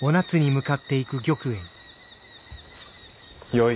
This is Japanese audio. よい。